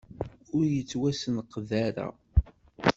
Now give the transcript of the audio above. Ur yettwasenqed ara.